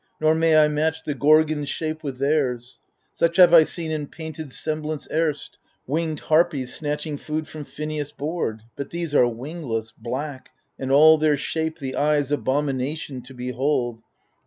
Nor may I match the Gorgons' shape with theirs 1 Such have I seen in painted semblance erst — Winged Harpies, snatching food from Phineus' board, — But these are wingless, black, and all their shape The eye's abomination to behold.